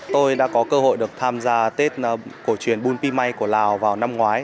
tôi đã có cơ hội được tham gia tết cổ truyền bun pimay của lào vào năm ngoái